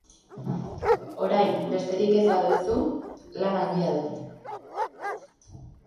Orain, besterik ez baduzu, lan handia dut.